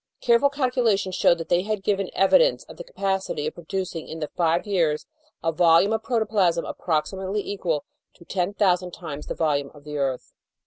Careful calculation showed that they had given evidence of the capacity of producing in the five years a volume of protoplasm approximately equal to 10,000 times the volume of the earth.